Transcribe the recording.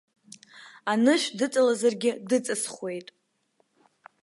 Анышә дыҵалазаргьы, дыҵысхуеит.